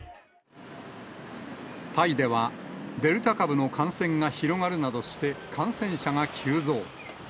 タイではデルタ株の感染が広がるなどして、感染者が急増。